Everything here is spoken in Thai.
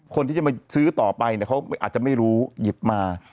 คนที่จะมาซื้อต่อไปเขาอาจจะไม่รู้หยิบมา